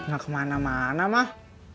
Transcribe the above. gak kemana mana mah